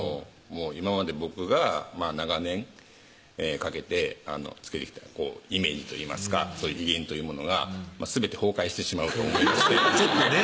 今まで僕が長年かけてつけてきたイメージといいますかそういう威厳というものがすべて崩壊してしまうと思いましてちょっとね